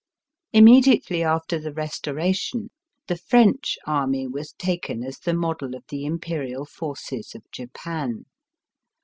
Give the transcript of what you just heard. Imme diately after the Eestoration the French army was taken as the model of the Imperial forces of Japan.